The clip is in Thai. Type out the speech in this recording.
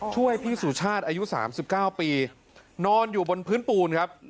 ช่วยพี่สุชาติอายุ๓๙ปีนอนอยู่บนพื้นปูนครับ